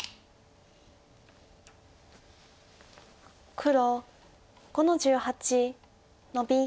黒５の十八ノビ。